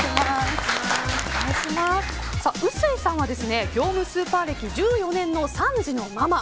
臼井さんは業務スーパー歴１４年の３児のママ。